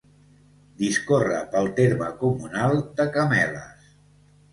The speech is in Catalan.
Discorre pel terme comunal de Cameles.